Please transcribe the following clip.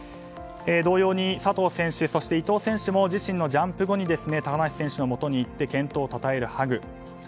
同様に佐藤選手そして伊藤選手も自身のジャンプ後に高梨選手のもとに行って健闘をたたえるハグ。